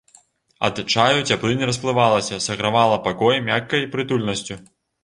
Ад чаю цяплынь расплывалася, сагравала пакой мяккай прытульнасцю.